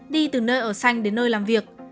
đi từ nơi ở xanh đến nơi làm việc